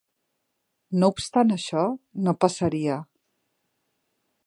No obstant això, no passaria.